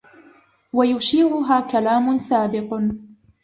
وَيُشِيعُهَا كَلَامٌ سَابِقٌ